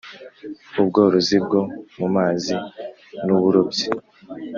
ubworozi bwo mu mazi n uburobyi